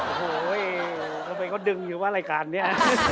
โอ้โหทำไมเขาดึงอยู่ว่ารายการนี้